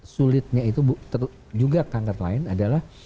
sulitnya itu juga kanker lain adalah